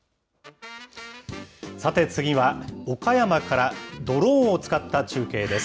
さて、次は、岡山から、ドローンを使った中継です。